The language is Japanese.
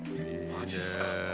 マジっすか。